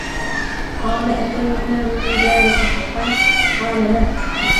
قَالَ أَفَيَمْنَعُنِي ذَلِكَ حَقًّا ؟ قَالَ لَا